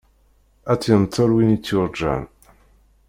Ad tt-yenṭel win i tt-yurğan.